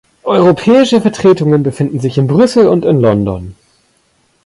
Europäische Vertretungen befinden sich in Brüssel und London.